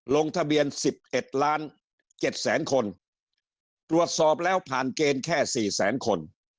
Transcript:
ลงทะเบียน๑๑ล้าน๗แสนคนตรวจสอบแล้วผ่านเกณฑ์แค่สี่แสนคน